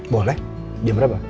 boleh jam berapa